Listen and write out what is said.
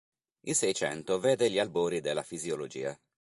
Il Seicento vede gli albori della fisiologia.